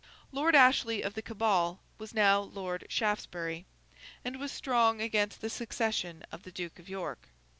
Lord Ashley, of the Cabal, was now Lord Shaftesbury, and was strong against the succession of the Duke of York.